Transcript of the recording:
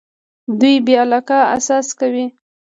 دوی بې علاقه احساس کوي.